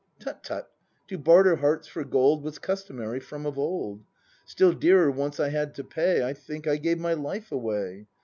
Tut, tut. To barter hearts for gold Was customary from of old. Still dearer once I had to pay, — I think I gave my life away.